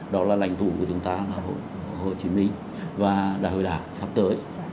đó là lãnh thủ của chúng ta là hồ chí minh và đại hội đảng sắp tới